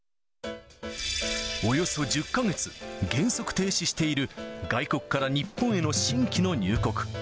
およそ１０か月、原則停止している、外国から日本への新規の入国。